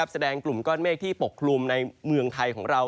แสดงกลุ่มก้อนเมฆที่ปกคลุมในเมืองไทยของเรา